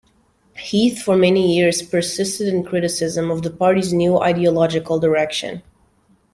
Heath for many years persisted in criticism of the party's new ideological direction.